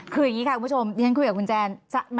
คือยังงี้ค่ะคุณผู้ชม